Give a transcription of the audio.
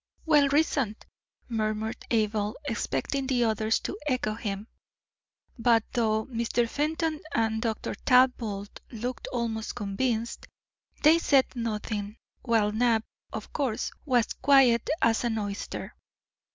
"Well reasoned!" murmured Abel, expecting the others to echo him. But, though Mr. Fenton and Dr. Talbot looked almost convinced, they said nothing, while Knapp, of course, was quiet as an oyster.